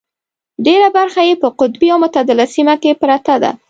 ډېره برخه یې په قطبي او متعدله سیمه کې پرته ده.